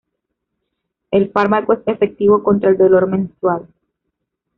El fármaco es efectivo contra el dolor menstrual.